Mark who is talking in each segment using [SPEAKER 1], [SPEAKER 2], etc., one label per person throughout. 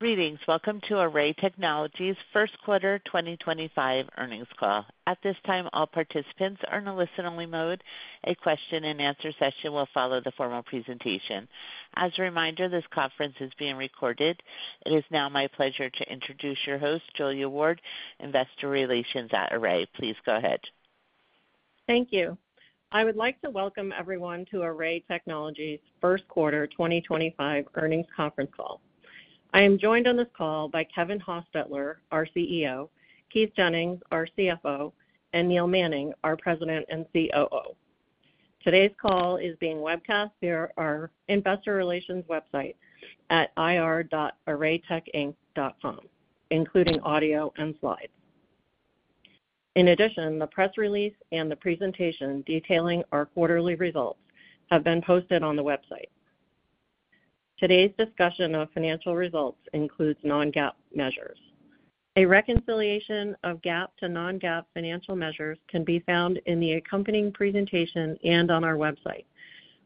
[SPEAKER 1] Greetings. Welcome to Array Technologies' first quarter 2025 earnings call. At this time, all participants are in a listen-only mode. A question-and-answer session will follow the formal presentation. As a reminder, this conference is being recorded. It is now my pleasure to introduce your host, Julia Ward, Investor Relations at Array. Please go ahead.
[SPEAKER 2] Thank you. I would like to welcome everyone to Array Technologies' first quarter 2025 earnings conference call. I am joined on this call by Kevin Hostetler, our CEO, Keith Jennings, our CFO, and Neil Manning, our President and COO. Today's call is being webcast via our Investor Relations website at ir.arraytechinc.com, including audio and slides. In addition, the press release and the presentation detailing our quarterly results have been posted on the website. Today's discussion of financial results includes non-GAAP measures. A reconciliation of GAAP to non-GAAP financial measures can be found in the accompanying presentation and on our website.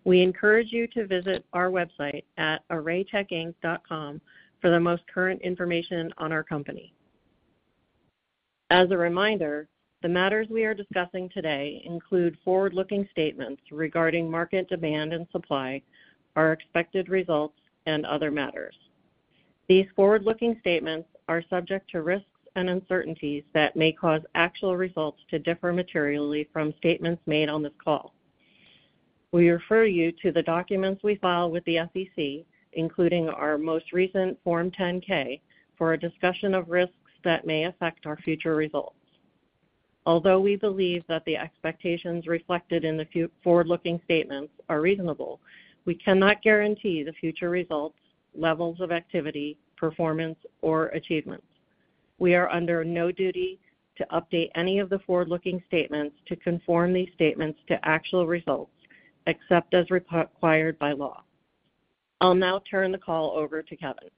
[SPEAKER 2] We encourage you to visit our website at arraytechinc.com for the most current information on our company. As a reminder, the matters we are discussing today include forward-looking statements regarding market demand and supply, our expected results, and other matters. These forward-looking statements are subject to risks and uncertainties that may cause actual results to differ materially from statements made on this call. We refer you to the documents we file with the SEC, including our most recent Form 10-K, for a discussion of risks that may affect our future results. Although we believe that the expectations reflected in the forward-looking statements are reasonable, we cannot guarantee the future results, levels of activity, performance, or achievements. We are under no duty to update any of the forward-looking statements to conform these statements to actual results except as required by law. I'll now turn the call over to Kevin.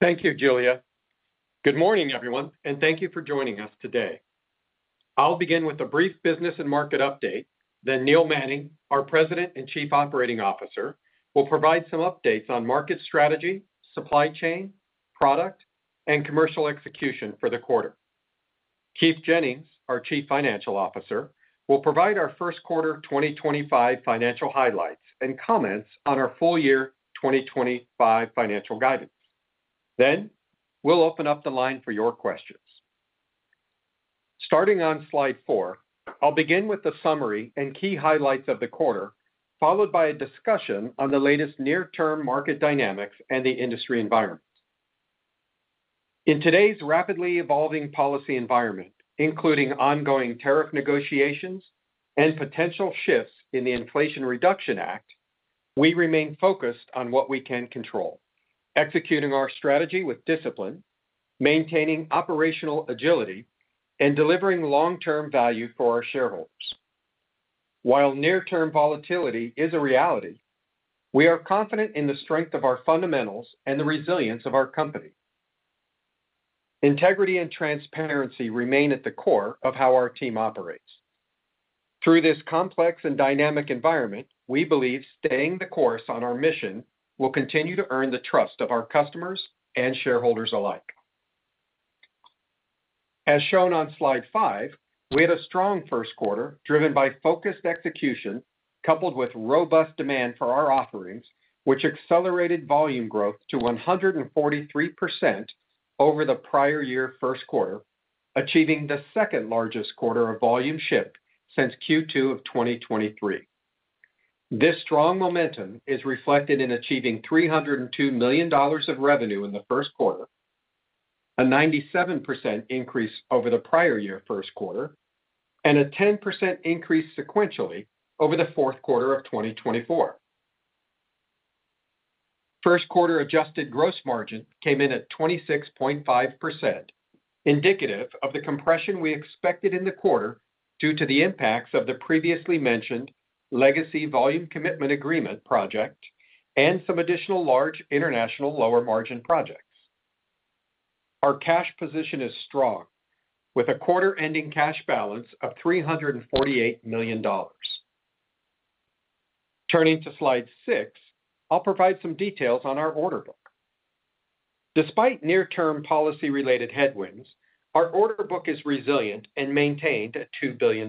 [SPEAKER 3] Thank you, Julia. Good morning, everyone, and thank you for joining us today. I'll begin with a brief business and market update. Then Neil Manning, our President and Chief Operating Officer, will provide some updates on market strategy, supply chain, product, and commercial execution for the quarter. Keith Jennings, our Chief Financial Officer, will provide our first quarter 2025 financial highlights and comments on our full-year 2025 financial guidance. Then we'll open up the line for your questions. Starting on slide four, I'll begin with the summary and key highlights of the quarter, followed by a discussion on the latest near-term market dynamics and the industry environment. In today's rapidly evolving policy environment, including ongoing tariff negotiations and potential shifts in the Inflation Reduction Act, we remain focused on what we can control, executing our strategy with discipline, maintaining operational agility, and delivering long-term value for our shareholders. While near-term volatility is a reality, we are confident in the strength of our fundamentals and the resilience of our company. Integrity and transparency remain at the core of how our team operates. Through this complex and dynamic environment, we believe staying the course on our mission will continue to earn the trust of our customers and shareholders alike. As shown on slide five, we had a strong first quarter driven by focused execution coupled with robust demand for our offerings, which accelerated volume growth to 143% over the prior year's first quarter, achieving the second-largest quarter of volume shift since Q2 of 2023. This strong momentum is reflected in achieving $302 million of revenue in the first quarter, a 97% increase over the prior year's first quarter, and a 10% increase sequentially over the fourth quarter of 2024. First quarter adjusted gross margin came in at 26.5%, indicative of the compression we expected in the quarter due to the impacts of the previously mentioned Legacy Volume Commitment Agreement project and some additional large international lower margin projects. Our cash position is strong, with a quarter-ending cash balance of $348 million. Turning to slide six, I'll provide some details on our order book. Despite near-term policy-related headwinds, our order book is resilient and maintained at $2 billion.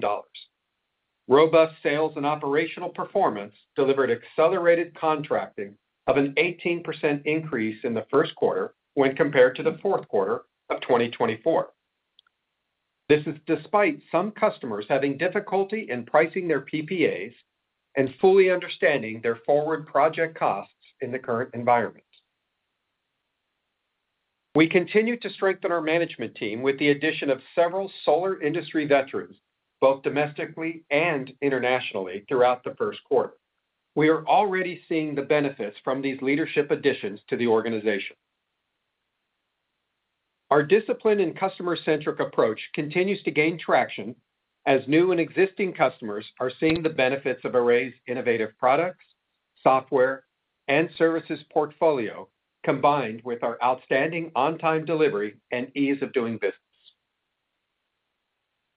[SPEAKER 3] Robust sales and operational performance delivered accelerated contracting of an 18% increase in the first quarter when compared to the fourth quarter of 2024. This is despite some customers having difficulty in pricing their PPAs and fully understanding their forward project costs in the current environment. We continue to strengthen our management team with the addition of several solar industry veterans, both domestically and internationally, throughout the first quarter. We are already seeing the benefits from these leadership additions to the organization. Our discipline and customer-centric approach continues to gain traction as new and existing customers are seeing the benefits of Array's innovative products, software, and services portfolio combined with our outstanding on-time delivery and ease of doing business.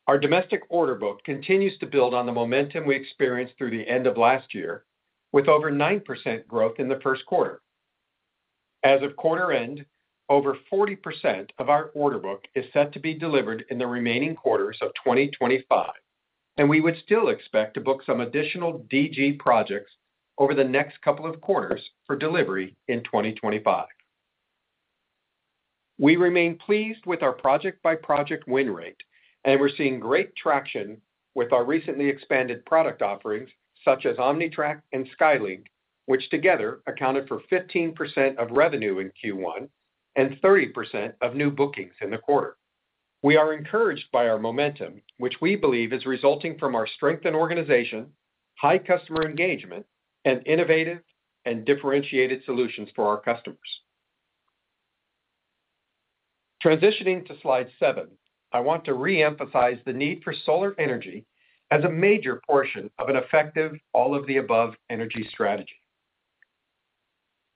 [SPEAKER 3] Our domestic order book continues to build on the momentum we experienced through the end of last year, with over 9% growth in the first quarter. As of quarter end, over 40% of our order book is set to be delivered in the remaining quarters of 2025, and we would still expect to book some additional DG projects over the next couple of quarters for delivery in 2025. We remain pleased with our project-by-project win rate, and we're seeing great traction with our recently expanded product offerings such as OmniTrack and SkyLink, which together accounted for 15% of revenue in Q1 and 30% of new bookings in the quarter. We are encouraged by our momentum, which we believe is resulting from our strength in organization, high customer engagement, and innovative and differentiated solutions for our customers. Transitioning to slide seven, I want to reemphasize the need for solar energy as a major portion of an effective all-of-the-above energy strategy.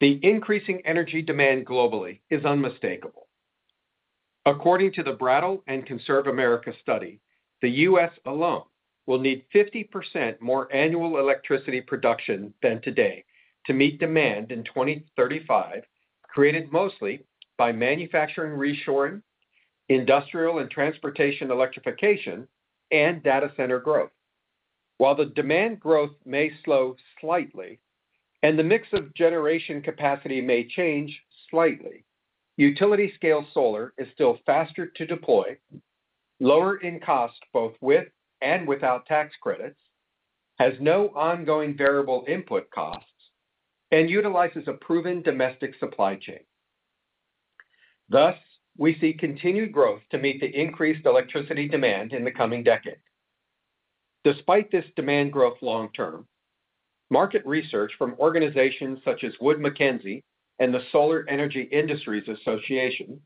[SPEAKER 3] The increasing energy demand globally is unmistakable. According to the Brattle and Conserve America study, the U.S. alone will need 50% more annual electricity production than today to meet demand in 2035, created mostly by manufacturing reshoring, industrial and transportation electrification, and data center growth. While the demand growth may slow slightly and the mix of generation capacity may change slightly, utility-scale solar is still faster to deploy, lower in cost both with and without tax credits, has no ongoing variable input costs, and utilizes a proven domestic supply chain. Thus, we see continued growth to meet the increased electricity demand in the coming decade. Despite this demand growth long-term, market research from organizations such as Wood Mackenzie and the Solar Energy Industries Association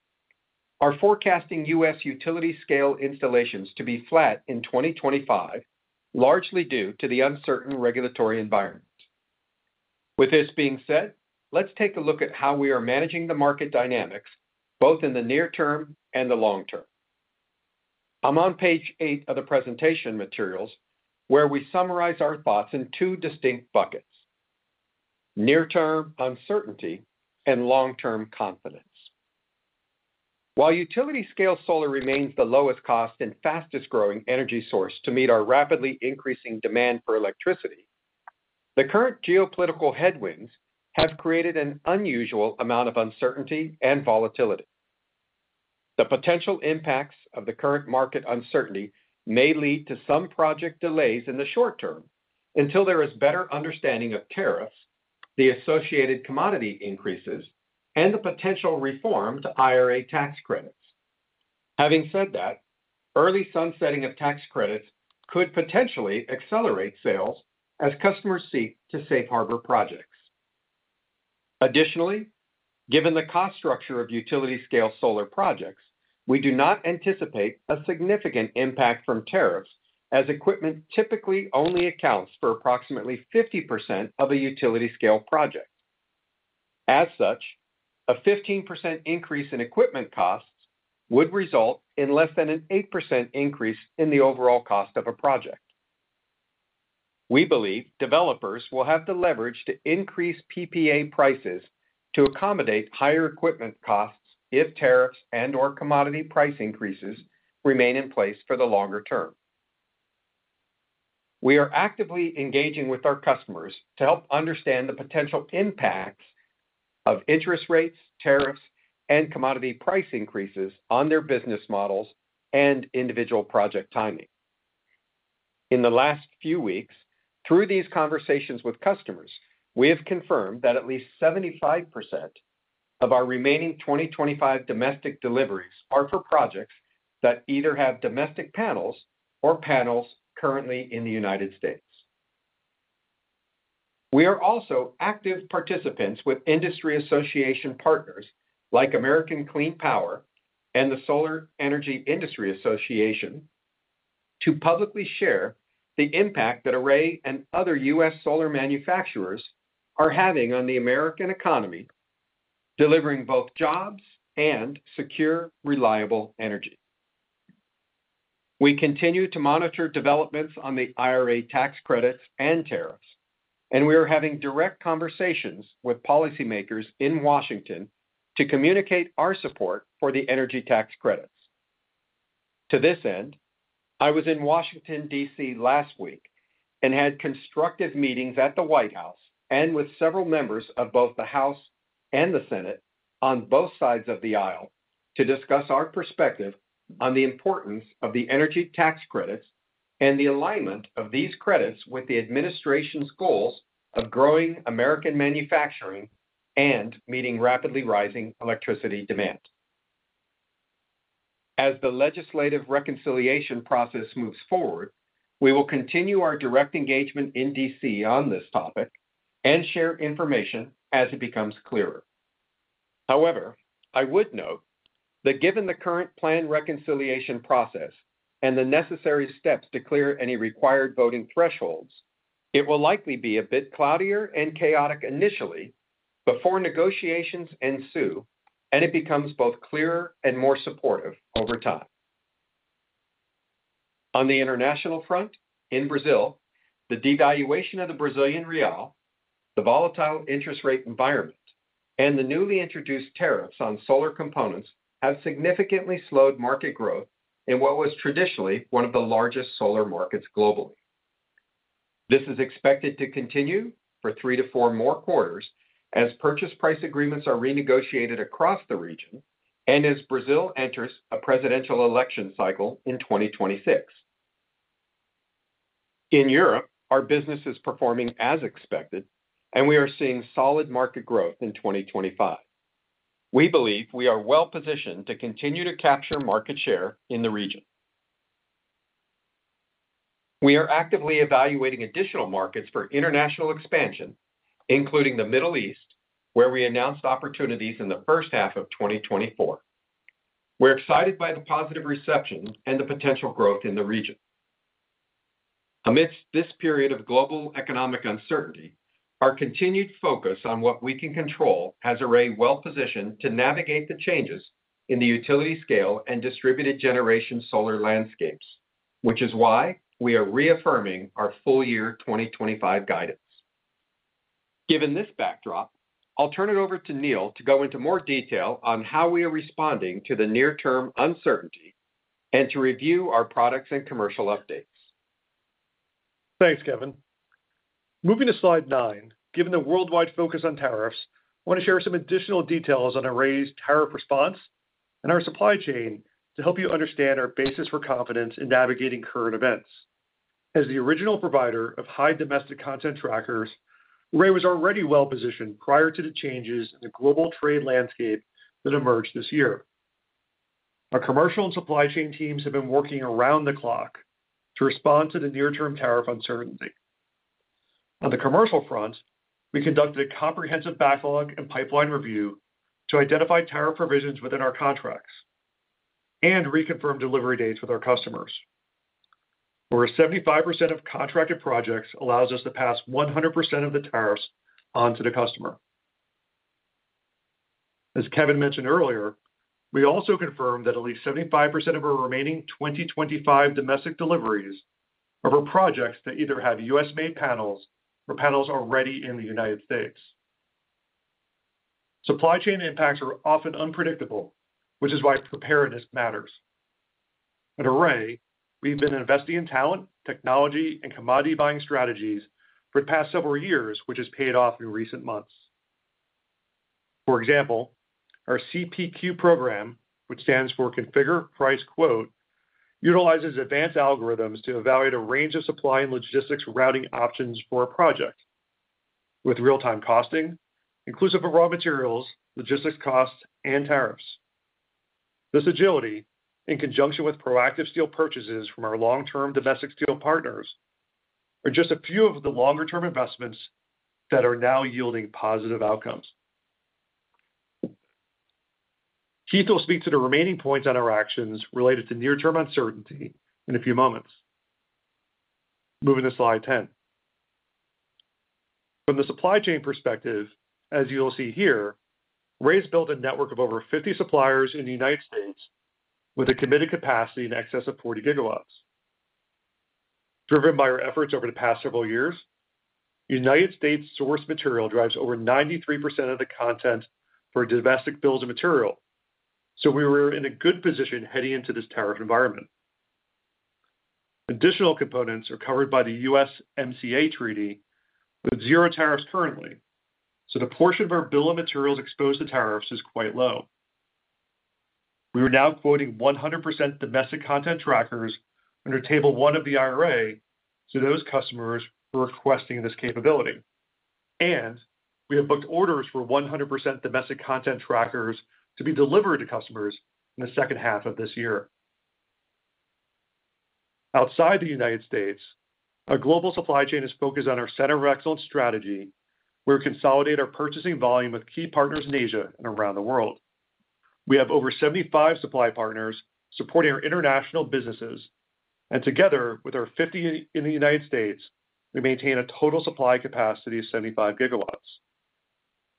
[SPEAKER 3] are forecasting U.S. utility-scale installations to be flat in 2025, largely due to the uncertain regulatory environment. With this being said, let's take a look at how we are managing the market dynamics both in the near term and the long term. I'm on page eight of the presentation materials where we summarize our thoughts in two distinct buckets: near-term uncertainty and long-term confidence. While utility-scale solar remains the lowest cost and fastest-growing energy source to meet our rapidly increasing demand for electricity, the current geopolitical headwinds have created an unusual amount of uncertainty and volatility. The potential impacts of the current market uncertainty may lead to some project delays in the short term until there is better understanding of tariffs, the associated commodity increases, and the potential reform to IRA tax credits. Having said that, early sunsetting of tax credits could potentially accelerate sales as customers seek to safe harbor projects. Additionally, given the cost structure of utility-scale solar projects, we do not anticipate a significant impact from tariffs as equipment typically only accounts for approximately 50% of a utility-scale project. As such, a 15% increase in equipment costs would result in less than an 8% increase in the overall cost of a project. We believe developers will have the leverage to increase PPA prices to accommodate higher equipment costs if tariffs and/or commodity price increases remain in place for the longer term. We are actively engaging with our customers to help understand the potential impacts of interest rates, tariffs, and commodity price increases on their business models and individual project timing. In the last few weeks, through these conversations with customers, we have confirmed that at least 75% of our remaining 2025 domestic deliveries are for projects that either have domestic panels or panels currently in the United States. We are also active participants with industry association partners like American Clean Power and the Solar Energy Industries Association to publicly share the impact that Array and other U.S. solar manufacturers are having on the American economy, delivering both jobs and secure, reliable energy. We continue to monitor developments on the IRA tax credits and tariffs, and we are having direct conversations with policymakers in Washington to communicate our support for the energy tax credits. To this end, I was in Washington, D.C. last week and had constructive meetings at the White House and with several members of both the House and the Senate on both sides of the aisle to discuss our perspective on the importance of the energy tax credits and the alignment of these credits with the administration's goals of growing American manufacturing and meeting rapidly rising electricity demand. As the legislative reconciliation process moves forward, we will continue our direct engagement in D.C. on this topic and share information as it becomes clearer. However, I would note that given the current planned reconciliation process and the necessary steps to clear any required voting thresholds, it will likely be a bit cloudier and chaotic initially before negotiations ensue, and it becomes both clearer and more supportive over time. On the international front, in Brazil, the devaluation of the Brazilian real, the volatile interest rate environment, and the newly introduced tariffs on solar components have significantly slowed market growth in what was traditionally one of the largest solar markets globally. This is expected to continue for three to four more quarters as purchase price agreements are renegotiated across the region and as Brazil enters a presidential election cycle in 2026. In Europe, our business is performing as expected, and we are seeing solid market growth in 2025. We believe we are well positioned to continue to capture market share in the region. We are actively evaluating additional markets for international expansion, including the Middle East, where we announced opportunities in the first half of 2024. We're excited by the positive reception and the potential growth in the region. Amidst this period of global economic uncertainty, our continued focus on what we can control has Array well positioned to navigate the changes in the utility-scale and distributed generation solar landscapes, which is why we are reaffirming our full year 2025 guidance. Given this backdrop, I'll turn it over to Neil to go into more detail on how we are responding to the near-term uncertainty and to review our products and commercial updates.
[SPEAKER 4] Thanks, Kevin. Moving to slide nine, given the worldwide focus on tariffs, I want to share some additional details on Array's tariff response and our supply chain to help you understand our basis for confidence in navigating current events. As the original provider of high domestic content trackers, Array was already well positioned prior to the changes in the global trade landscape that emerged this year. Our commercial and supply chain teams have been working around the clock to respond to the near-term tariff uncertainty. On the commercial front, we conducted a comprehensive backlog and pipeline review to identify tariff provisions within our contracts and reconfirmed delivery dates with our customers. Over 75% of contracted projects allows us to pass 100% of the tariffs on to the customer. As Kevin mentioned earlier, we also confirmed that at least 75% of our remaining 2025 domestic deliveries are for projects that either have U.S.-made panels or panels already in the United States. Supply chain impacts are often unpredictable, which is why preparedness matters. At Array, we've been investing in talent, technology, and commodity buying strategies for the past several years, which has paid off in recent months. For example, our CPQ program, which stands for Configure Price Quote, utilizes advanced algorithms to evaluate a range of supply and logistics routing options for a project, with real-time costing inclusive of raw materials, logistics costs, and tariffs. This agility, in conjunction with proactive steel purchases from our long-term domestic steel partners, is just a few of the longer-term investments that are now yielding positive outcomes. Keith will speak to the remaining points on our actions related to near-term uncertainty in a few moments. Moving to slide 10. From the supply chain perspective, as you will see here, Array has built a network of over 50 suppliers in the United States with a committed capacity in excess of 40 GW. Driven by our efforts over the past several years, U.S. source material drives over 93% of the content for domestic builds of material, so we were in a good position heading into this tariff environment. Additional components are covered by the USMCA Treaty with zero tariffs currently, so the portion of our bill of materials exposed to tariffs is quite low. We were now quoting 100% domestic content trackers under table one of the IRA to those customers who are requesting this capability, and we have booked orders for 100% domestic content trackers to be delivered to customers in the second half of this year. Outside the United States, our global supply chain is focused on our center of excellence strategy, where we consolidate our purchasing volume with key partners in Asia and around the world. We have over 75 supply partners supporting our international businesses, and together with our 50 in the United States, we maintain a total supply capacity of 75 GW.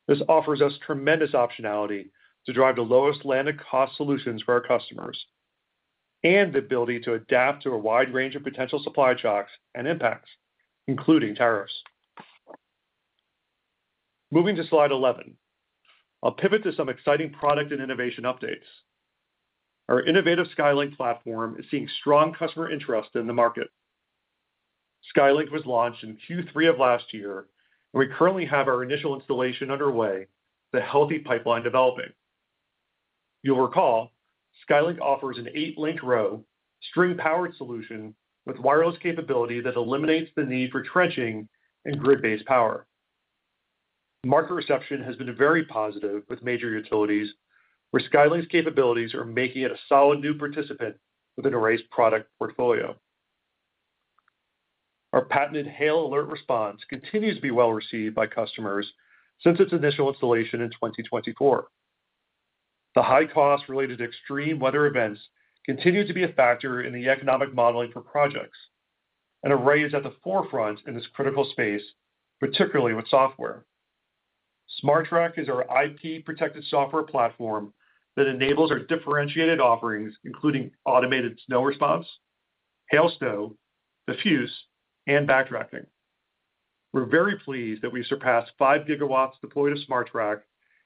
[SPEAKER 4] This offers us tremendous optionality to drive the lowest landed cost solutions for our customers and the ability to adapt to a wide range of potential supply shocks and impacts, including tariffs. Moving to slide 11, I'll pivot to some exciting product and innovation updates. Our innovative SkyLink platform is seeing strong customer interest in the market. SkyLink was launched in Q3 of last year, and we currently have our initial installation underway, with a healthy pipeline developing. You'll recall SkyLink offers an eight-link row string-powered solution with wireless capability that eliminates the need for trenching and grid-based power. Market reception has been very positive with major utilities, where SkyLink's capabilities are making it a solid new participant within Array's product portfolio. Our patented hail alert response continues to be well received by customers since its initial installation in 2024. The high cost related to extreme weather events continues to be a factor in the economic modeling for projects, and Array is at the forefront in this critical space, particularly with software. SmarTrack is our IP-protected software platform that enables our differentiated offerings, including automated snow response, hail, snow, diffuse, and backtracking. We're very pleased that we surpassed 5 GW deployed of SmarTrack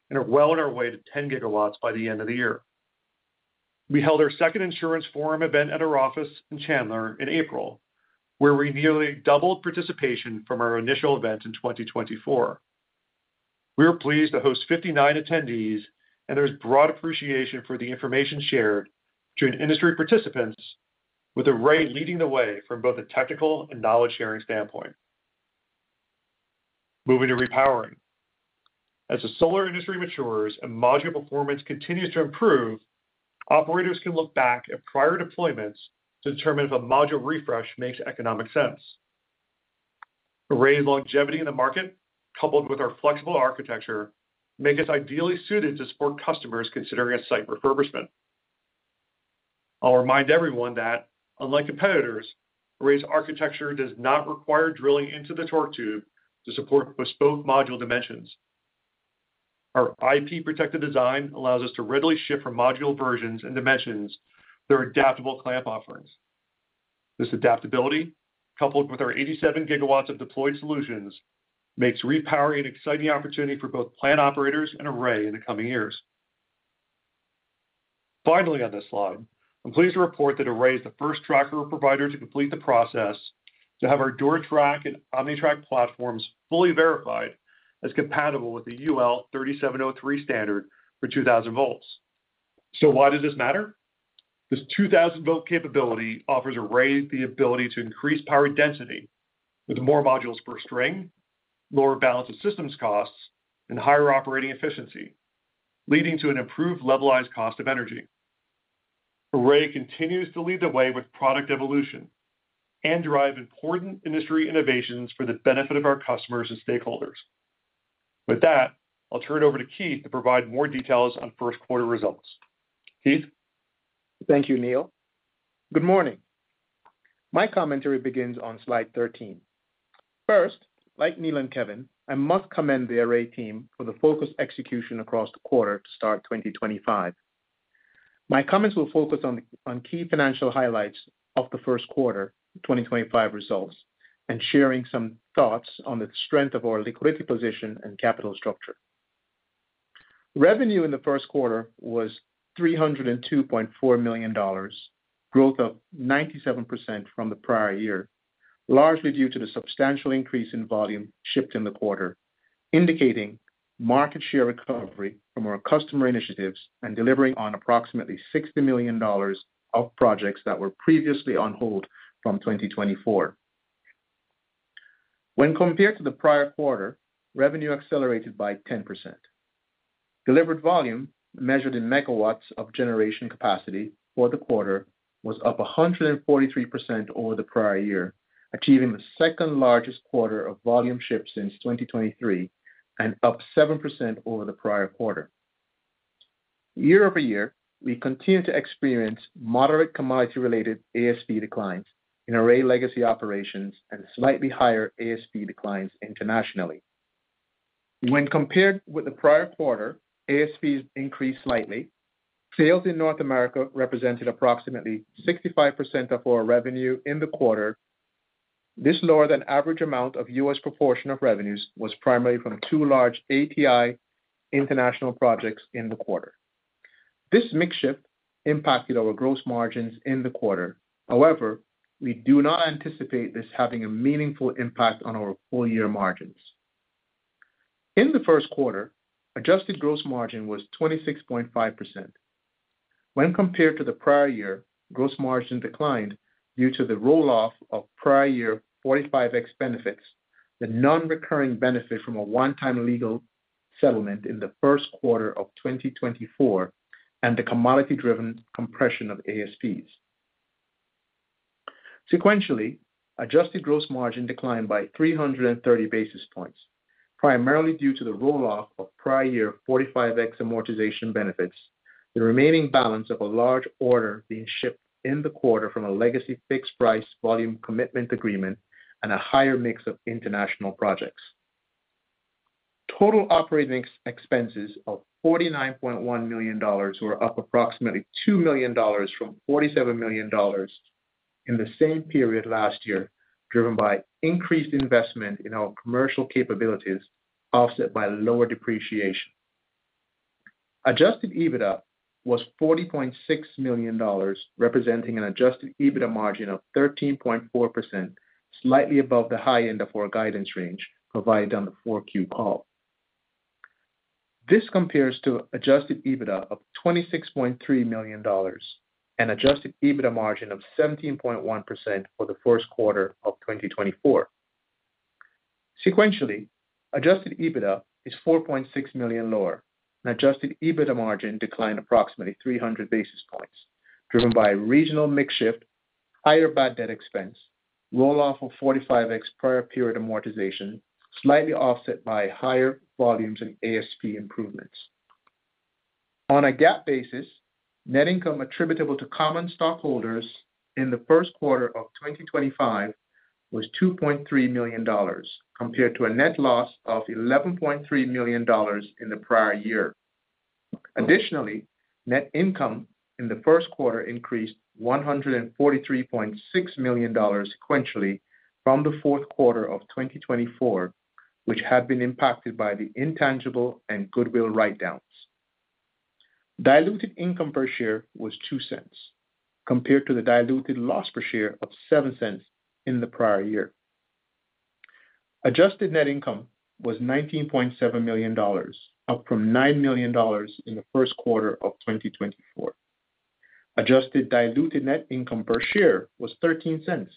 [SPEAKER 4] and are well on our way to 10 GW by the end of the year. We held our second insurance forum event at our office in Chandler in April, where we nearly doubled participation from our initial event in 2024. We are pleased to host 59 attendees, and there is broad appreciation for the information shared between industry participants, with Array leading the way from both a technical and knowledge-sharing standpoint. Moving to repowering. As the solar industry matures and modular performance continues to improve, operators can look back at prior deployments to determine if a module refresh makes economic sense. Array's longevity in the market, coupled with our flexible architecture, makes us ideally suited to support customers considering a site refurbishment. I will remind everyone that, unlike competitors, Array's architecture does not require drilling into the torque tube to support bespoke module dimensions. Our IP-protected design allows us to readily shift from module versions and dimensions to adaptable clamp offerings. This adaptability, coupled with our 87 GW of deployed solutions, makes repowering an exciting opportunity for both plant operators and Array in the coming years. Finally, on this slide, I'm pleased to report that Array is the first tracker provider to complete the process to have our DuraTrack and OmniTrack platforms fully verified as compatible with the UL 3703 standard for 2,000 V. Why does this matter? This 2,000 V capability offers Array the ability to increase power density with more modules per string, lower balance of systems costs, and higher operating efficiency, leading to an improved levelized cost of energy. Array continues to lead the way with product evolution and drive important industry innovations for the benefit of our customers and stakeholders. With that, I'll turn it over to Keith to provide more details on first quarter results. Keith?
[SPEAKER 5] Thank you, Neil. Good morning. My commentary begins on slide 13. First, like Neil and Kevin, I must commend the Array team for the focused execution across the quarter to start 2025. My comments will focus on key financial highlights of the first quarter 2025 results and sharing some thoughts on the strength of our liquidity position and capital structure. Revenue in the first quarter was $302.4 million, growth of 97% from the prior year, largely due to the substantial increase in volume shipped in the quarter, indicating market share recovery from our customer initiatives and delivering on approximately $60 million of projects that were previously on hold from 2024. When compared to the prior quarter, revenue accelerated by 10%. Delivered volume, measured in MW of generation capacity for the quarter, was up 143% over the prior year, achieving the second largest quarter of volume shipped since 2023 and up 7% over the prior quarter. Year-over-year, we continue to experience moderate commodity-related ASP declines in Array legacy operations and slightly higher ASP declines internationally. When compared with the prior quarter, ASP increased slightly. Sales in North America represented approximately 65% of our revenue in the quarter. This lower than average amount of U.S. proportion of revenues was primarily from two large ATI international projects in the quarter. This mix shift impacted our gross margins in the quarter. However, we do not anticipate this having a meaningful impact on our full year margins. In the first quarter, adjusted gross margin was 26.5%. When compared to the prior year, gross margin declined due to the roll-off of prior year 45X benefits, the non-recurring benefit from a one-time legal settlement in the first quarter of 2024, and the commodity-driven compression of ASPs. Sequentially, adjusted gross margin declined by 330 basis points, primarily due to the roll-off of prior year 45X amortization benefits, the remaining balance of a large order being shipped in the quarter from a legacy fixed price volume commitment agreement, and a higher mix of international projects. Total operating expenses of $49.1 million were up approximately $2 million from $47 million in the same period last year, driven by increased investment in our commercial capabilities offset by lower depreciation. Adjusted EBITDA was $40.6 million, representing an adjusted EBITDA margin of 13.4%, slightly above the high end of our guidance range provided on the 4Q call. This compares to adjusted EBITDA of $26.3 million and adjusted EBITDA margin of 17.1% for the first quarter of 2024. Sequentially, adjusted EBITDA is $4.6 million lower, and adjusted EBITDA margin declined approximately 300 basis points, driven by regional mix shift, higher bad debt expense, roll-off of 45X prior period amortization, slightly offset by higher volumes and ASP improvements. On a GAAP basis, net income attributable to common stockholders in the first quarter of 2025 was $2.3 million, compared to a net loss of $11.3 million in the prior year. Additionally, net income in the first quarter increased $143.6 million sequentially from the fourth quarter of 2024, which had been impacted by the intangible and goodwill write-downs. Diluted income per share was $0.02, compared to the diluted loss per share of $0.07 in the prior year. Adjusted net income was $19.7 million, up from $9 million in the first quarter of 2024. Adjusted diluted net income per share was $0.13,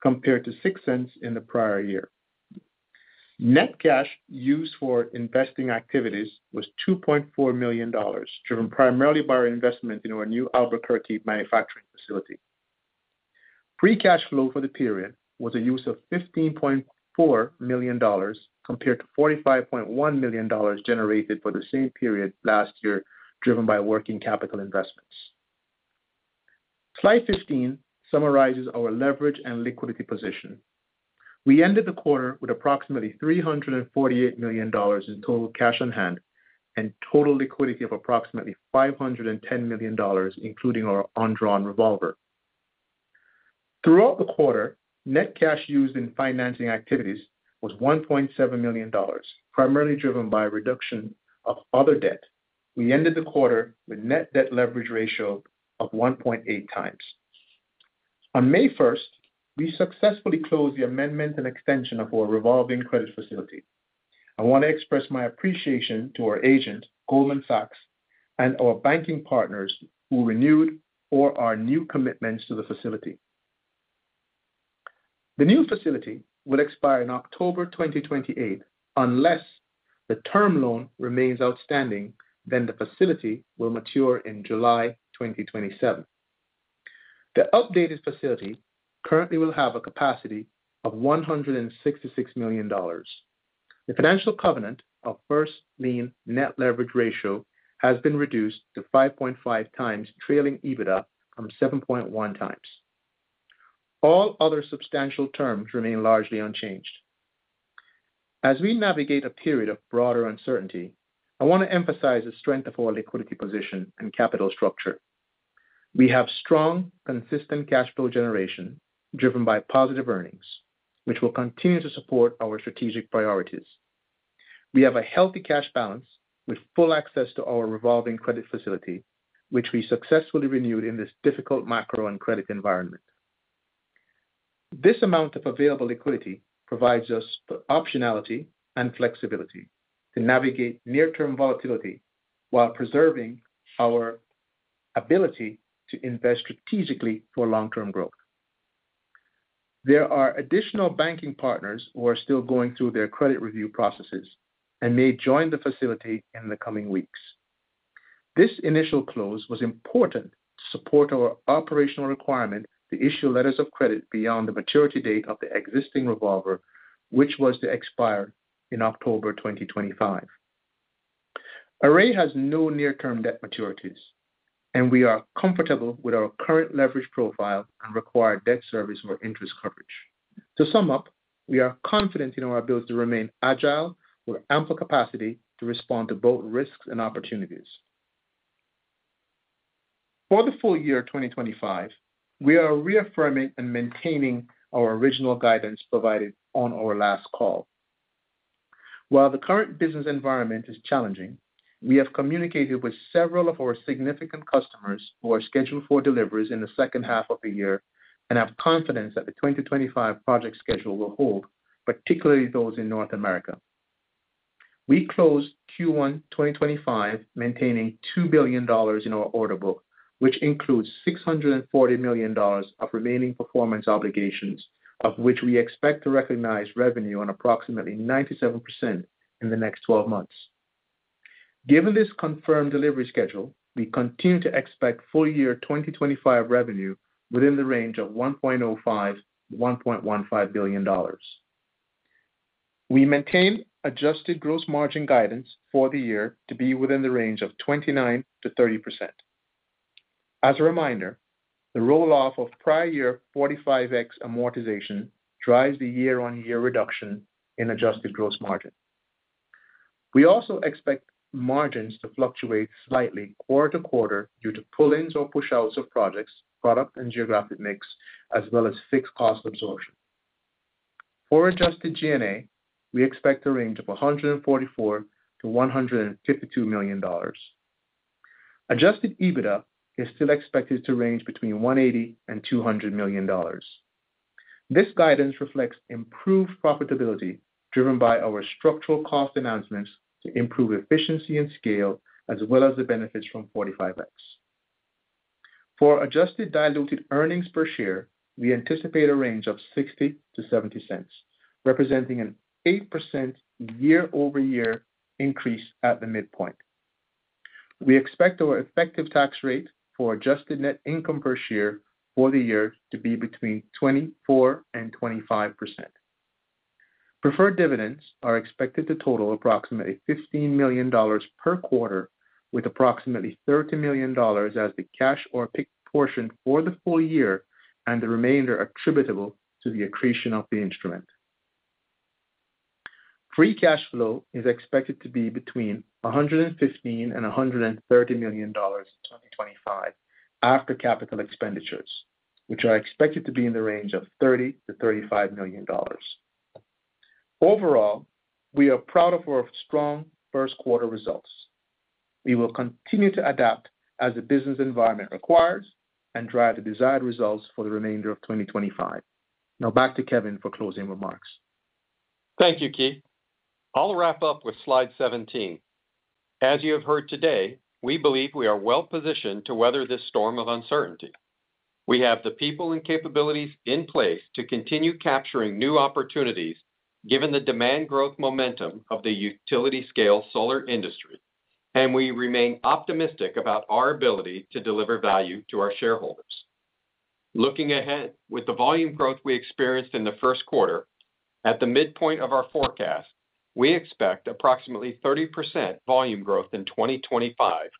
[SPEAKER 5] compared to $0.06 in the prior year. Net cash used for investing activities was $2.4 million, driven primarily by our investment in our new Albuquerque manufacturing facility. Free cash flow for the period was a use of $15.4 million, compared to $45.1 million generated for the same period last year, driven by working capital investments. Slide 15 summarizes our leverage and liquidity position. We ended the quarter with approximately $348 million in total cash on hand and total liquidity of approximately $510 million, including our undrawn revolver. Throughout the quarter, net cash used in financing activities was $1.7 million, primarily driven by a reduction of other debt. We ended the quarter with net debt leverage ratio of 1.8x. On May 1st, we successfully closed the amendment and extension of our revolving credit facility. I want to express my appreciation to our agent, Goldman Sachs, and our banking partners who renewed or are new commitments to the facility. The new facility will expire in October 2028 unless the term loan remains outstanding, then the facility will mature in July 2027. The updated facility currently will have a capacity of $166 million. The financial covenant of first lien net leverage ratio has been reduced to 5.5x trailing EBITDA from 7.1x. All other substantial terms remain largely unchanged. As we navigate a period of broader uncertainty, I want to emphasize the strength of our liquidity position and capital structure. We have strong, consistent cash flow generation driven by positive earnings, which will continue to support our strategic priorities. We have a healthy cash balance with full access to our revolving credit facility, which we successfully renewed in this difficult macro and credit environment. This amount of available liquidity provides us with optionality and flexibility to navigate near-term volatility while preserving our ability to invest strategically for long-term growth. There are additional banking partners who are still going through their credit review processes and may join the facility in the coming weeks. This initial close was important to support our operational requirement to issue letters of credit beyond the maturity date of the existing revolver, which was to expire in October 2025. Array has no near-term debt maturities, and we are comfortable with our current leverage profile and required debt service for interest coverage. To sum up, we are confident in our ability to remain agile with ample capacity to respond to both risks and opportunities. For the full year 2025, we are reaffirming and maintaining our original guidance provided on our last call. While the current business environment is challenging, we have communicated with several of our significant customers who are scheduled for deliveries in the second half of the year and have confidence that the 2025 project schedule will hold, particularly those in North America. We closed Q1 2025 maintaining $2 billion in our order book, which includes $640 million of remaining performance obligations, of which we expect to recognize revenue on approximately 97% in the next 12 months. Given this confirmed delivery schedule, we continue to expect full year 2025 revenue within the range of $1.05 billion-$1.15 billion. We maintain adjusted gross margin guidance for the year to be within the range of 29%-30%. As a reminder, the roll-off of prior year 45X amortization drives the year-on-year reduction in adjusted gross margin. We also expect margins to fluctuate slightly quarter to quarter due to pull-ins or push-outs of projects, product, and geographic mix, as well as fixed cost absorption. For adjusted G&A, we expect a range of $144 million-$152 million. Adjusted EBITDA is still expected to range between $180 million and $200 million. This guidance reflects improved profitability driven by our structural cost announcements to improve efficiency and scale, as well as the benefits from 45X. For adjusted diluted earnings per share, we anticipate a range of $0.60-$0.70, representing an 8% year-over-year increase at the midpoint. We expect our effective tax rate for adjusted net income per share for the year to be between 24% and 25%. Preferred dividends are expected to total approximately $15 million per quarter, with approximately $30 million as the cash or picked portion for the full year and the remainder attributable to the accretion of the instrument. Pre-cash flow is expected to be between $115 million-$130 million in 2025 after capital expenditures, which are expected to be in the range of $30 million-$35 million. Overall, we are proud of our strong first quarter results. We will continue to adapt as the business environment requires and drive the desired results for the remainder of 2025. Now, back to Kevin for closing remarks.
[SPEAKER 3] Thank you, Keith. I'll wrap up with slide 17. As you have heard today, we believe we are well positioned to weather this storm of uncertainty. We have the people and capabilities in place to continue capturing new opportunities given the demand growth momentum of the utility-scale solar industry, and we remain optimistic about our ability to deliver value to our shareholders. Looking ahead with the volume growth we experienced in the first quarter, at the midpoint of our forecast, we expect approximately 30% volume growth in 2025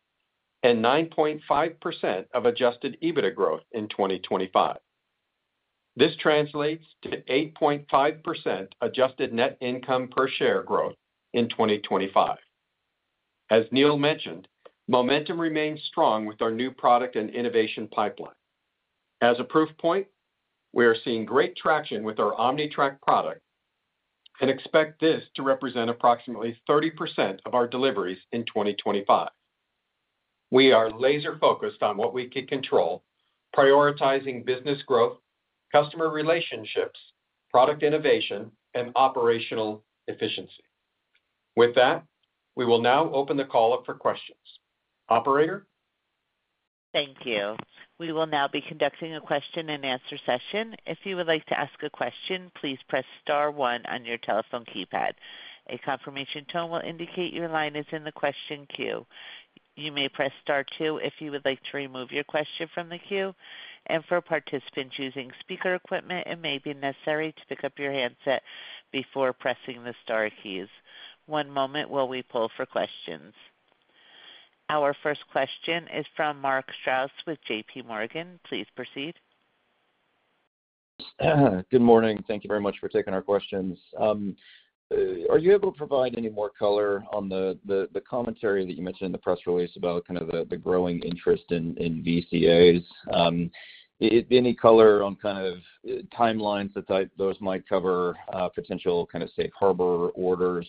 [SPEAKER 3] and 9.5% of adjusted EBITDA growth in 2025. This translates to 8.5% adjusted net income per share growth in 2025. As Neil mentioned, momentum remains strong with our new product and innovation pipeline. As a proof point, we are seeing great traction with our OmniTrack product and expect this to represent approximately 30% of our deliveries in 2025. We are laser-focused on what we can control, prioritizing business growth, customer relationships, product innovation, and operational efficiency. With that, we will now open the call up for questions. Operator?
[SPEAKER 1] Thank you. We will now be conducting a question-and-answer session. If you would like to ask a question, please press star one on your telephone keypad. A confirmation tone will indicate your line is in the question queue. You may press star two if you would like to remove your question from the queue. For participants using speaker equipment, it may be necessary to pick up your handset before pressing the star keys. One moment while we pull for questions. Our first question is from Mark Strouse with JPMorgan. Please proceed.
[SPEAKER 6] Good morning. Thank you very much for taking our questions. Are you able to provide any more color on the commentary that you mentioned in the press release about kind of the growing interest in VCAs? Any color on kind of timelines that those might cover, potential kind of safe harbor orders?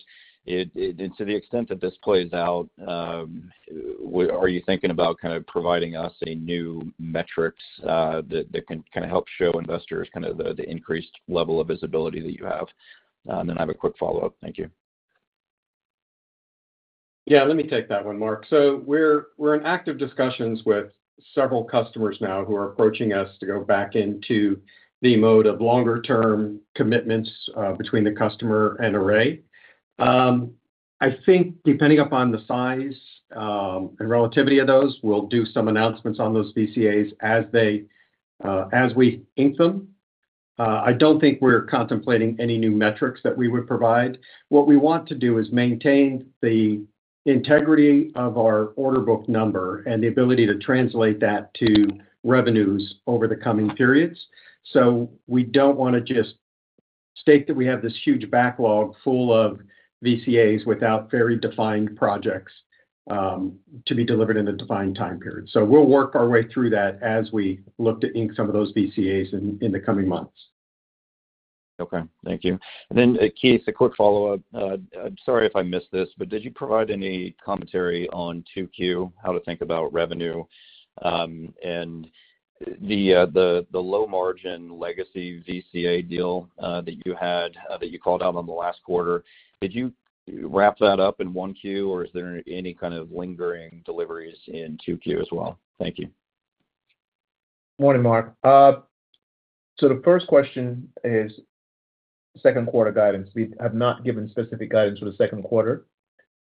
[SPEAKER 6] To the extent that this plays out, are you thinking about kind of providing us a new metric that can kind of help show investors kind of the increased level of visibility that you have? I have a quick follow-up. Thank you.
[SPEAKER 3] Yeah, let me take that one, Mark. We are in active discussions with several customers now who are approaching us to go back into the mode of longer-term commitments between the customer and Array. I think depending upon the size and relativity of those, we will do some announcements on those VCAs as we ink them. I do not think we are contemplating any new metrics that we would provide. What we want to do is maintain the integrity of our order book number and the ability to translate that to revenues over the coming periods. We do not want to just state that we have this huge backlog full of VCAs without very defined projects to be delivered in a defined time period. We will work our way through that as we look to ink some of those VCAs in the coming months.
[SPEAKER 6] Okay. Thank you. Then, Keith, a quick follow-up. Sorry if I missed this, but did you provide any commentary on 2Q, how to think about revenue and the low-margin legacy VCA deal that you had that you called out on the last quarter? Did you wrap that up in 1Q, or is there any kind of lingering deliveries in 2Q as well?
[SPEAKER 5] Thank you. Morning, Mark. The first question is second quarter guidance. We have not given specific guidance for the second quarter.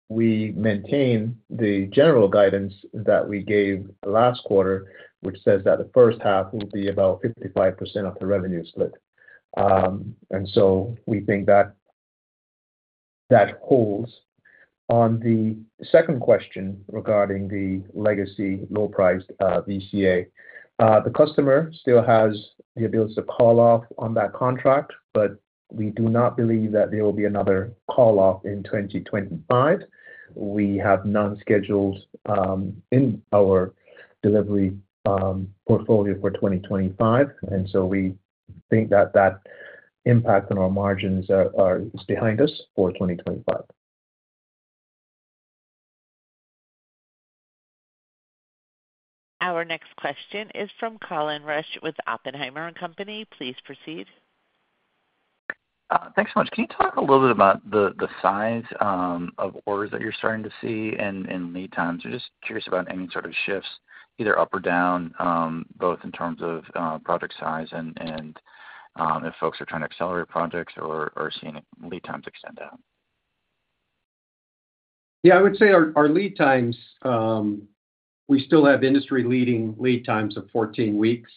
[SPEAKER 5] We maintain the general guidance that we gave last quarter, which says that the first half will be about 55% of the revenue split. We think that holds. On the second question regarding the legacy low-priced VCA, the customer still has the ability to call off on that contract, but we do not believe that there will be another call-off in 2025. We have none scheduled in our delivery portfolio for 2025. We think that that impact on our margins is behind us for 2025.
[SPEAKER 1] Our next question is from Colin Rusch with Oppenheimer & Company. Please proceed.
[SPEAKER 7] Thanks so much. Can you talk a little bit about the size of orders that you're starting to see and lead times? We're just curious about any sort of shifts, either up or down, both in terms of project size and if folks are trying to accelerate projects or seeing lead times extend out.
[SPEAKER 3] Yeah, I would say our lead times, we still have industry-leading lead times of 14 weeks.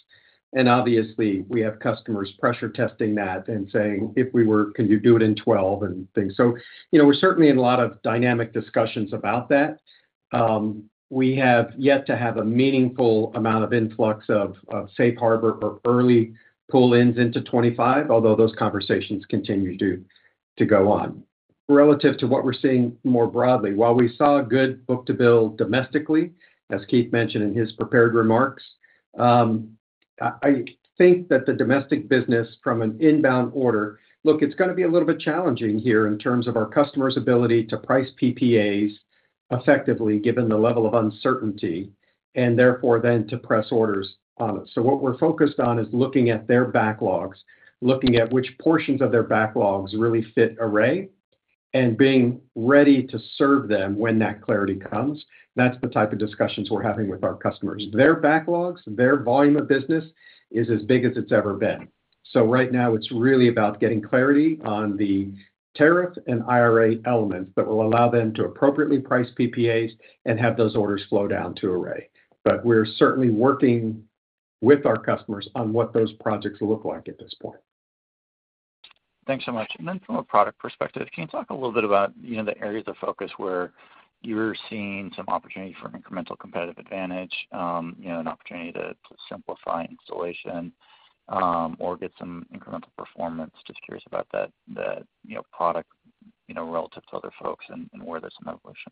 [SPEAKER 3] Obviously, we have customers pressure testing that and saying, "If we were, can you do it in 12?" and things. We're certainly in a lot of dynamic discussions about that. We have yet to have a meaningful amount of influx of safe harbor or early pull-ins into 2025, although those conversations continue to go on. Relative to what we're seeing more broadly, while we saw good book-to-bill domestically, as Keith mentioned in his prepared remarks, I think that the domestic business from an inbound order, look, it's going to be a little bit challenging here in terms of our customers' ability to price PPAs effectively given the level of uncertainty and therefore then to press orders on it. What we're focused on is looking at their backlogs, looking at which portions of their backlogs really fit Array and being ready to serve them when that clarity comes. That's the type of discussions we're having with our customers. Their backlogs, their volume of business is as big as it's ever been. Right now, it's really about getting clarity on the tariff and IRA elements that will allow them to appropriately price PPAs and have those orders flow down to Array. We're certainly working with our customers on what those projects look like at this point.
[SPEAKER 7] Thanks so much. From a product perspective, can you talk a little bit about the areas of focus where you're seeing some opportunity for incremental competitive advantage, an opportunity to simplify installation or get some incremental performance? Just curious about that product relative to other folks and where there's some evolution.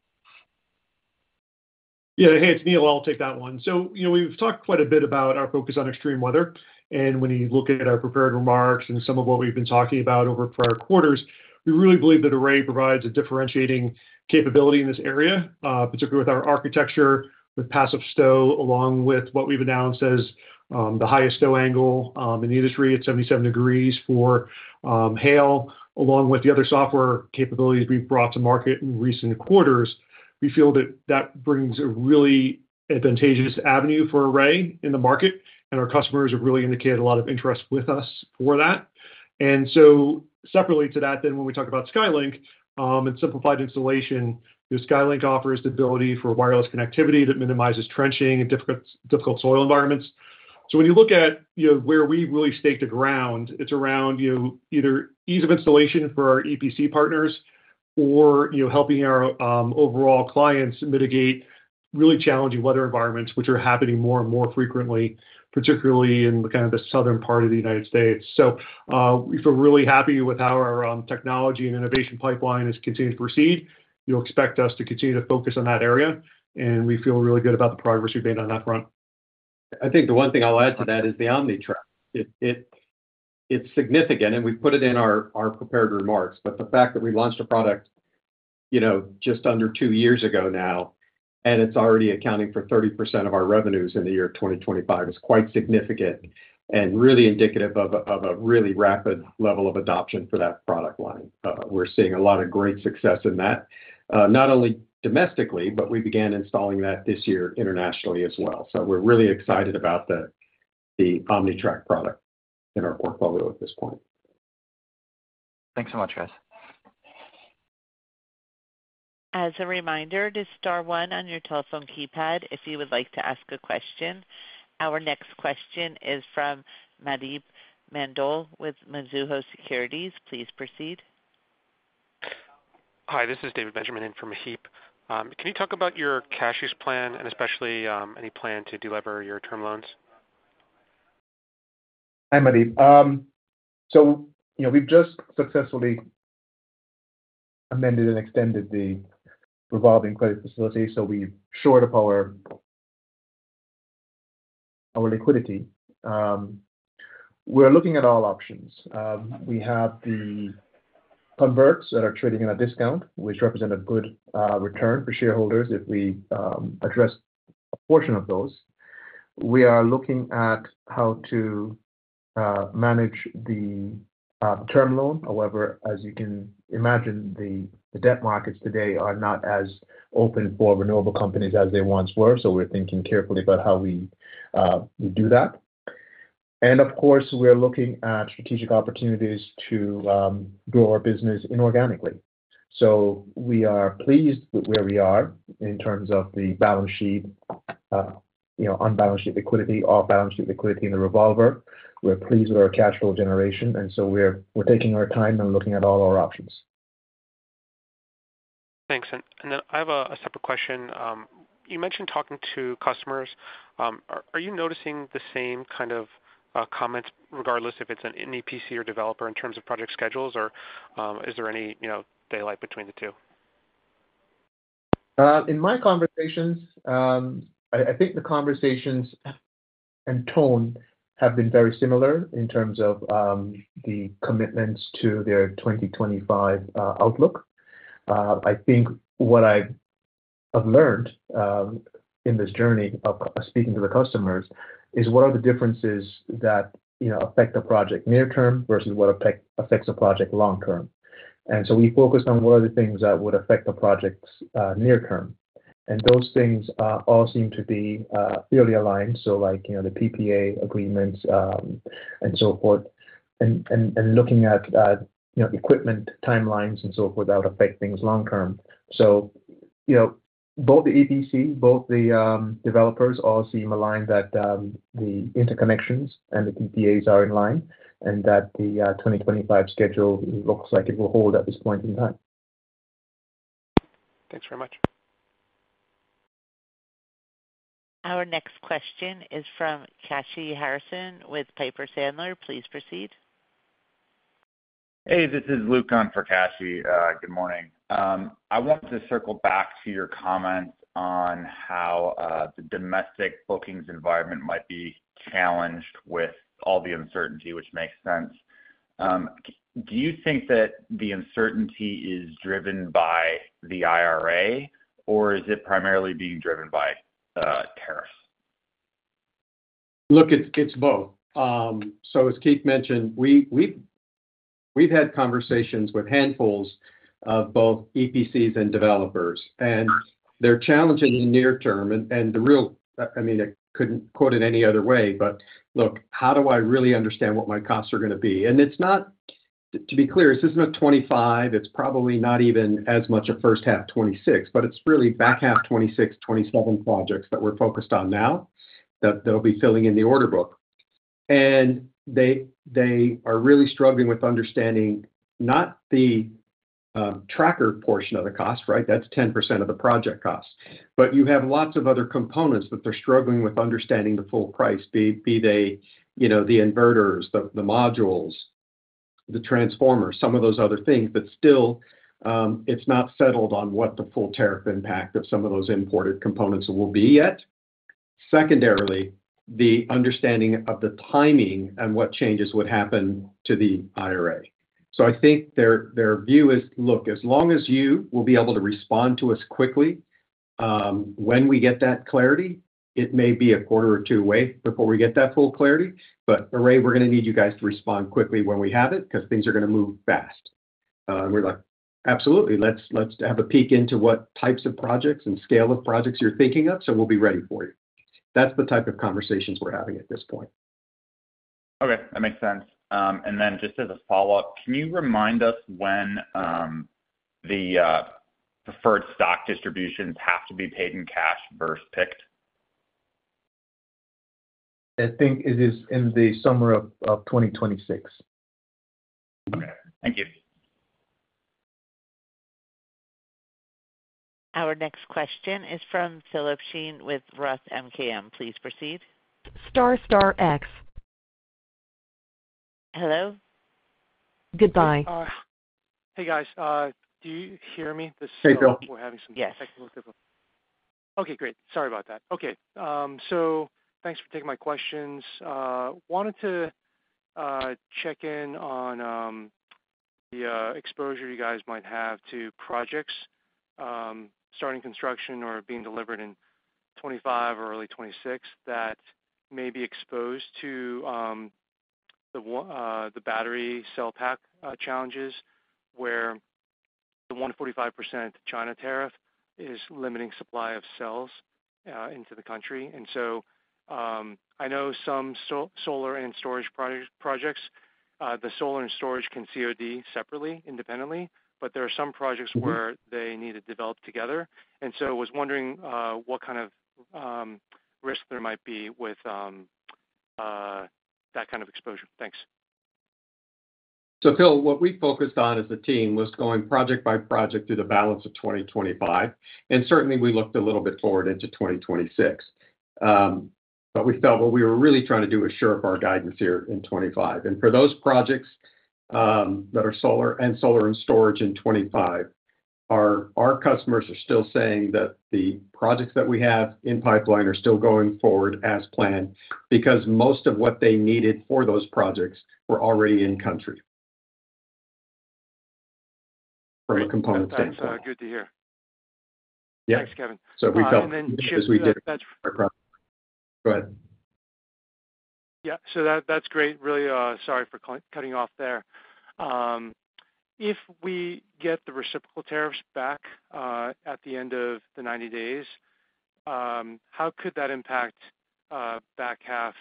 [SPEAKER 4] Yeah, hey, it's Neil. I'll take that one. We've talked quite a bit about our focus on extreme weather. When you look at our prepared remarks and some of what we've been talking about over prior quarters, we really believe that Array provides a differentiating capability in this area, particularly with our architecture with passive stow, along with what we've announced as the highest stow angle in the industry at 77 degrees for hail, along with the other software capabilities we've brought to market in recent quarters. We feel that that brings a really advantageous avenue for Array in the market. Our customers have really indicated a lot of interest with us for that. Separately to that, when we talk about SkyLink and simplified installation, SkyLink offers the ability for wireless connectivity that minimizes trenching in difficult soil environments. When you look at where we really stake the ground, it's around either ease of installation for our EPC partners or helping our overall clients mitigate really challenging weather environments, which are happening more and more frequently, particularly in kind of the southern part of the United States. We feel really happy with how our technology and innovation pipeline has continued to proceed. You'll expect us to continue to focus on that area. We feel really good about the progress we've made on that front.
[SPEAKER 3] I think the one thing I'll add to that is the OmniTrack. It's significant, and we've put it in our prepared remarks. The fact that we launched a product just under two years ago now, and it's already accounting for 30% of our revenues in the year 2025, is quite significant and really indicative of a really rapid level of adoption for that product line. We're seeing a lot of great success in that, not only domestically, but we began installing that this year internationally as well. We're really excited about the OmniTrack product in our portfolio at this point.
[SPEAKER 7] Thanks so much, guys.
[SPEAKER 1] As a reminder, to star one on your telephone keypad if you would like to ask a question. Our next question is from Maheep Mandloi with Mizuho Securities. Please proceed. Hi, this is David Benjamin in for Maheep. Can you talk about your cash use plan and especially any plan to deliver your term loans?
[SPEAKER 5] Hi, Maheep. We've just successfully amended and extended the revolving credit facility. We've shored up our liquidity. We're looking at all options. We have the converts that are trading at a discount, which represent a good return for shareholders if we address a portion of those. We are looking at how to manage the term loan. However, as you can imagine, the debt markets today are not as open for renewable companies as they once were. We're thinking carefully about how we do that. Of course, we're looking at strategic opportunities to grow our business inorganically. We are pleased with where we are in terms of the balance sheet, on-balance sheet liquidity, off-balance sheet liquidity in the revolver. We're pleased with our cash flow generation. We're taking our time and looking at all our options. Thanks. I have a separate question. You mentioned talking to customers. Are you noticing the same kind of comments regardless if it is an EPC or developer in terms of project schedules, or is there any daylight between the two?
[SPEAKER 3] In my conversations, I think the conversations and tone have been very similar in terms of the commitments to their 2025 outlook. I think what I have learned in this journey of speaking to the customers is what are the differences that affect the project near-term versus what affects the project long-term. We focused on what are the things that would affect the project's near-term. Those things all seem to be fairly aligned. Like the PPA agreements and so forth, and looking at equipment timelines and so forth that would affect things long-term. Both the EPC, both the developers all seem aligned that the interconnections and the PPAs are in line and that the 2025 schedule looks like it will hold at this point in time. Thanks very much.
[SPEAKER 1] Our next question is from Kashy Harrison with Piper Sandler. Please proceed. Hey, this is Luke on for Kashy. Good morning. I want to circle back to your comment on how the domestic bookings environment might be challenged with all the uncertainty, which makes sense. Do you think that the uncertainty is driven by the IRA, or is it primarily being driven by tariffs?
[SPEAKER 3] Look, it's both. As Keith mentioned, we've had conversations with handfuls of both EPCs and developers. They're challenging in the near term. The real, I mean, I could not quote it any other way, but look, how do I really understand what my costs are going to be? It is not, to be clear, this is not a 2025. It is probably not even as much a first half 2026, but it is really back half 2026, 2027 projects that we are focused on now that they will be filling in the order book. They are really struggling with understanding not the tracker portion of the cost, right? That is 10% of the project cost. You have lots of other components that they are struggling with understanding the full price, be they the inverters, the modules, the transformers, some of those other things, but still, it is not settled on what the full tariff impact of some of those imported components will be yet. Secondarily, the understanding of the timing and what changes would happen to the IRA. I think their view is, look, as long as you will be able to respond to us quickly, when we get that clarity, it may be a quarter or two away before we get that full clarity. But Array, we're going to need you guys to respond quickly when we have it because things are going to move fast. We're like, absolutely. Let's have a peek into what types of projects and scale of projects you're thinking of so we'll be ready for you. That's the type of conversations we're having at this point. Okay. That makes sense. And then just as a follow-up, can you remind us when the preferred stock distributions have to be paid in cash versus picked?
[SPEAKER 5] I think it is in the summer of 2026. Okay. Thank you.
[SPEAKER 1] Our next question is from Philip Shen with Roth MKM. Please proceed. Star, star, X.
[SPEAKER 8] Hello? Goodbye. Hey, guys. Do you hear me? Hey, Phil. We're having some technical difficulty. Okay. Great. Sorry about that. Okay. Thanks for taking my questions. Wanted to check in on the exposure you guys might have to projects starting construction or being delivered in 2025 or early 2026 that may be exposed to the battery cell pack challenges where the 145% China tariff is limiting supply of cells into the country. I know some solar and storage projects, the solar and storage can COD separately, independently, but there are some projects where they need to develop together. I was wondering what kind of risk there might be with that kind of exposure. Thanks.
[SPEAKER 3] Phil, what we focused on as a team was going project by project through the balance of 2025. Certainly, we looked a little bit forward into 2026. We felt what we were really trying to do is shore up our guidance here in 2025. For those projects that are solar and solar and storage in 2025, our customers are still saying that the projects that we have in pipeline are still going forward as planned because most of what they needed for those projects were already in country from a component standpoint.
[SPEAKER 8] That's good to hear. Thanks, Kevin.
[SPEAKER 3] We felt as we did. Go ahead.
[SPEAKER 8] Yeah, that's great. Really sorry for cutting off there. If we get the reciprocal tariffs back at the end of the 90 days, how could that impact back half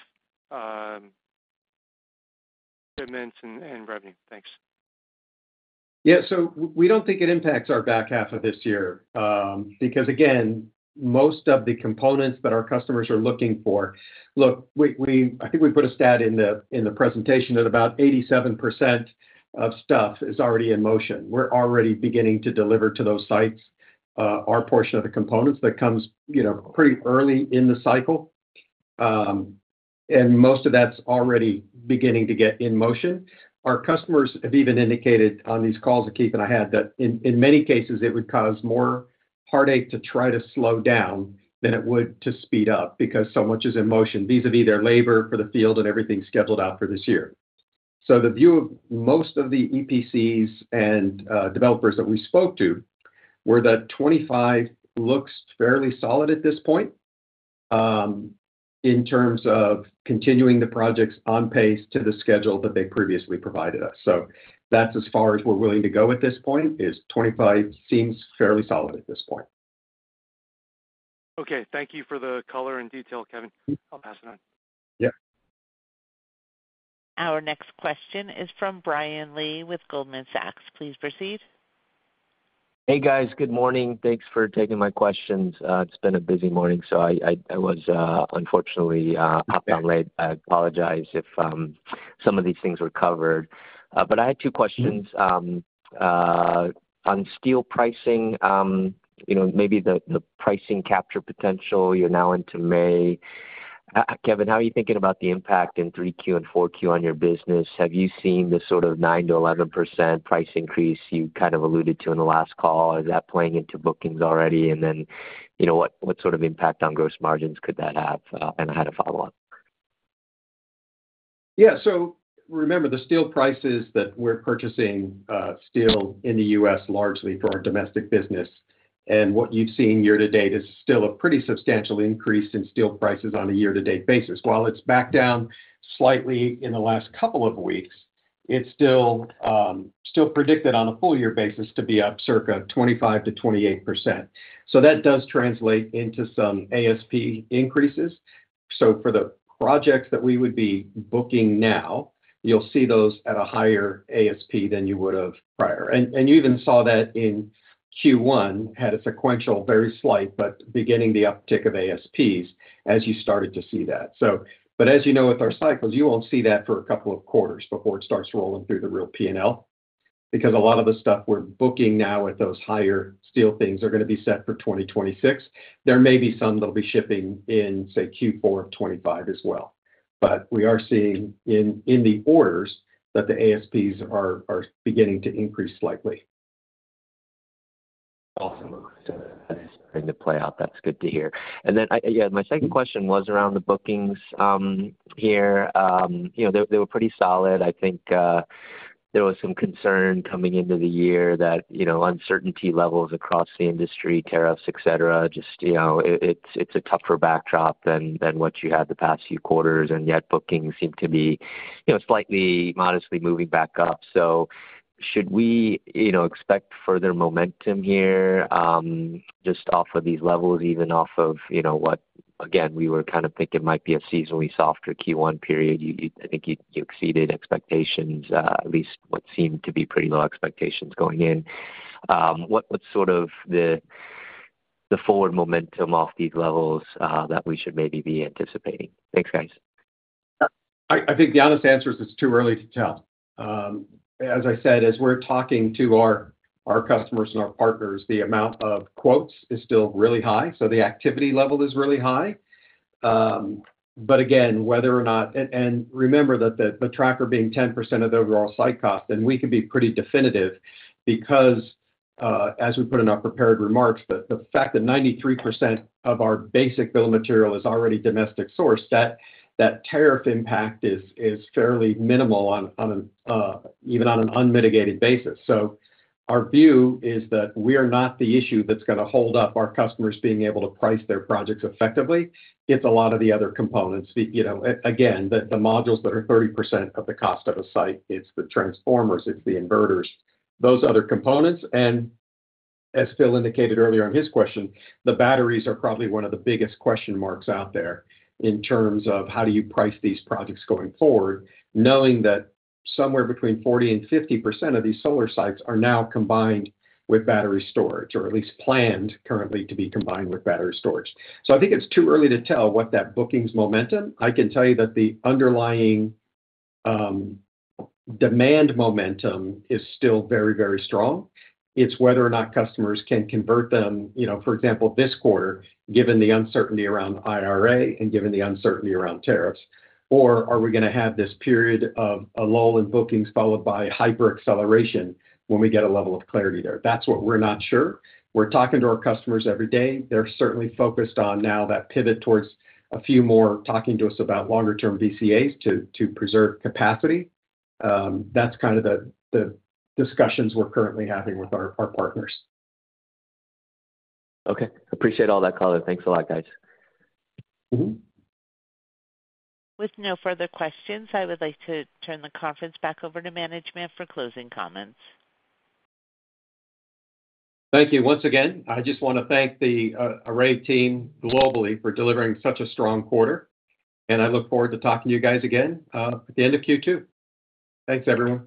[SPEAKER 8] commitments and revenue? Thanks. Yeah.
[SPEAKER 3] We do not think it impacts our back half of this year because, again, most of the components that our customers are looking for, look, I think we put a stat in the presentation that about 87% of stuff is already in motion. We are already beginning to deliver to those sites our portion of the components that comes pretty early in the cycle. Most of that is already beginning to get in motion. Our customers have even indicated on these calls that Keith and I had that in many cases, it would cause more heartache to try to slow down than it would to speed up because so much is in motion vis-à-vis their labor for the field and everything scheduled out for this year. The view of most of the EPCs and developers that we spoke to were that 2025 looks fairly solid at this point in terms of continuing the projects on pace to the schedule that they previously provided us. That is as far as we are willing to go at this point. 2025 seems fairly solid at this point.
[SPEAKER 8] Okay. Thank you for the color and detail, Kevin. I will pass it on.
[SPEAKER 1] Our next question is from Brian Lee with Goldman Sachs. Please proceed.
[SPEAKER 9] Hey, guys. Good morning. Thanks for taking my questions. It has been a busy morning. I was unfortunately hopped on late. I apologize if some of these things were covered. I had two questions on steel pricing, maybe the pricing capture potential. You are now into May. Kevin, how are you thinking about the impact in 3Q and 4Q on your business? Have you seen the sort of 9%-11% price increase you kind of alluded to in the last call? Is that playing into bookings already? What sort of impact on gross margins could that have? I had a follow-up.
[SPEAKER 3] Yeah. Remember, the steel prices that we're purchasing steel in the U.S. largely for our domestic business. What you've seen year to date is still a pretty substantial increase in steel prices on a year-to-date basis. While it's backed down slightly in the last couple of weeks, it's still predicted on a full-year basis to be up circa 25%-28%. That does translate into some ASP increases. For the projects that we would be booking now, you'll see those at a higher ASP than you would have prior. You even saw that in Q1 had a sequential very slight, but beginning the uptick of ASPs as you started to see that. As you know, with our cycles, you will not see that for a couple of quarters before it starts rolling through the real P&L because a lot of the stuff we are booking now with those higher steel things are going to be set for 2026. There may be some that will be shipping in, say, Q4 of 2025 as well. We are seeing in the orders that the ASPs are beginning to increase slightly.
[SPEAKER 9] Awesome. That is starting to play out. That is good to hear. My second question was around the bookings here. They were pretty solid. I think there was some concern coming into the year that uncertainty levels across the industry, tariffs, etc., just it's a tougher backdrop than what you had the past few quarters. Yet bookings seem to be slightly modestly moving back up. Should we expect further momentum here just off of these levels, even off of what, again, we were kind of thinking might be a seasonally softer Q1 period? I think you exceeded expectations, at least what seemed to be pretty low expectations going in. What's sort of the forward momentum off these levels that we should maybe be anticipating? Thanks, guys.
[SPEAKER 3] I think the honest answer is it's too early to tell. As I said, as we're talking to our customers and our partners, the amount of quotes is still really high. The activity level is really high. Again, whether or not, and remember that the tracker being 10% of the overall site cost, and we can be pretty definitive because, as we put in our prepared remarks, the fact that 93% of our basic bill of material is already domestic sourced, that tariff impact is fairly minimal even on an unmitigated basis. Our view is that we are not the issue that's going to hold up our customers being able to price their projects effectively. It's a lot of the other components. Again, the modules that are 30% of the cost of a site, it's the transformers, it's the inverters, those other components. As Phil indicated earlier in his question, the batteries are probably one of the biggest question marks out there in terms of how do you price these projects going forward, knowing that somewhere between 40%-50% of these solar sites are now combined with battery storage, or at least planned currently to be combined with battery storage. I think it's too early to tell what that bookings momentum is. I can tell you that the underlying demand momentum is still very, very strong. It's whether or not customers can convert them, for example, this quarter, given the uncertainty around IRA and given the uncertainty around tariffs, or are we going to have this period of a lull in bookings followed by hyper-acceleration when we get a level of clarity there? That's what we're not sure about. We're talking to our customers every day. They're certainly focused on now that pivot towards a few more talking to us about longer-term VCAs to preserve capacity. That's kind of the discussions we're currently having with our partners.
[SPEAKER 9] Okay. Appreciate all that color. Thanks a lot, guys.
[SPEAKER 1] With no further questions, I would like to turn the conference back over to management for closing comments.
[SPEAKER 3] Thank you once again. I just want to thank the Array team globally for delivering such a strong quarter. I look forward to talking to you guys again at the end of Q2. Thanks, everyone.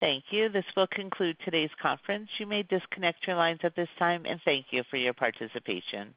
[SPEAKER 1] Thank you. This will conclude today's conference. You may disconnect your lines at this time. Thank you for your participation.